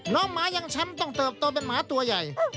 น้องหมาอย่างฉันต้องเติบโตเป็นหมาตัวใหญ่